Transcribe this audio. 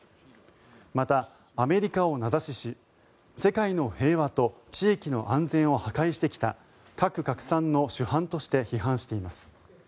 また、アメリカを名指しし世界の平和と地域の安全を破壊してきた核拡散の主犯として批判しています。